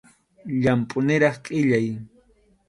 Llampʼu niraq qʼillay.